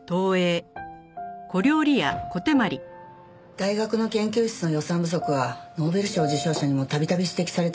大学の研究室の予算不足はノーベル賞受賞者にもたびたび指摘されてます。